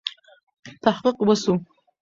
تحقیق وسو.